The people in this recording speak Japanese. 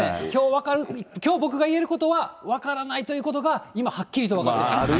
きょう分かる、きょう僕が言えることは分からないということが、今はっきりと分かっています。